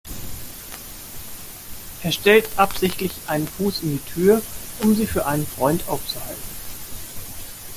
Er stellt absichtlich einen Fuß in die Tür, um sie für einen Freund aufzuhalten.